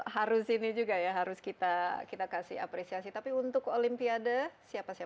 harus ini juga ya harus kita kasih apresiasi tapi untuk olimpiade siapa siapa